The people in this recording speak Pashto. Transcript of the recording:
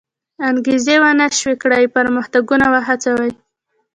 انګېزې و نه شوی کړای پرمختګونه وهڅوي.